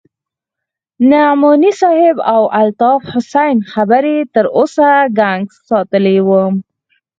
د نعماني صاحب او الطاف حسين خبرې تر اوسه گنگس ساتلى وم.